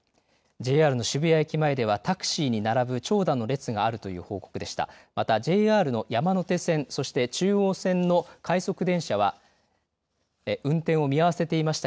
ＪＲ渋谷駅前ではタクシーに並ぶ長蛇の列があるという報告でした。